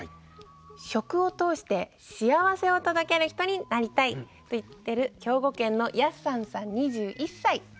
食を通して幸せを届ける人になりたいと言っている兵庫県の２１歳です。